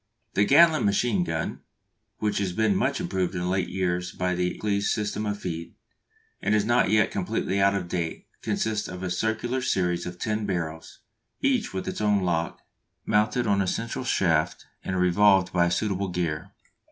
The Gatling machine gun, which has been much improved in late years by the Accles system of "feed," and is not yet completely out of date, consists of a circular series of ten barrels each with its own lock mounted on a central shaft and revolved by a suitable gear.